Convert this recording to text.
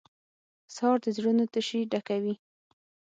سهار د زړونو تشې ډکوي.